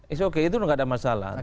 it's okay itu tidak ada masalah